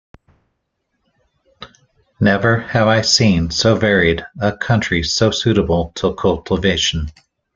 Never have I seen so varied a country so suitable to cultivation.